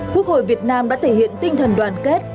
quốc hội việt nam đã thể hiện tinh thần đoàn kết